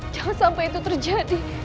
jangan sampai itu terjadi